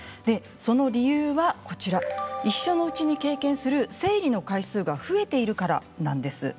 その理由は一生のうちに経験する生理の回数が増えているからなんです。